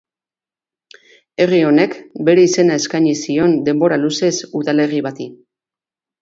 Herri honek bere izena eskaini zion denbora luzez udalerri bati.